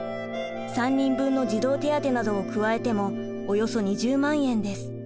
３人分の児童手当などを加えてもおよそ２０万円です。